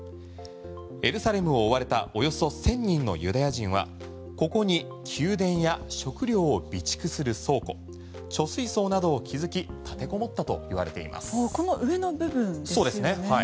エルサレムを追われたおよそ１０００人のユダヤ人はここに宮殿や、食料を備蓄する倉庫貯、水槽などを築きこの上の部分ですよね。